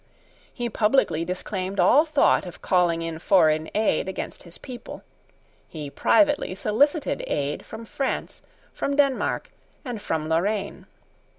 He publicly disclaimed all thought of calling in foreign aid against his people: he privately solicited aid from France, from Denmark, and from Lorraine.